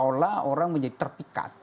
seolah olah orang menjadi terpikat